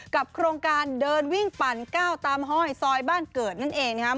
โครงการเดินวิ่งปั่นก้าวตามห้อยซอยบ้านเกิดนั่นเองนะครับ